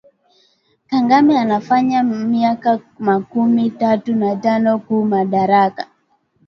Kangame anafanya myaka makumi tatu na tano ku madaraka